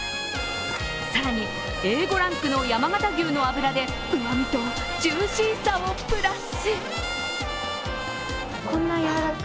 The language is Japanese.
更に、Ａ５ランクの山形牛の脂でうまみとジューシーさをプラス。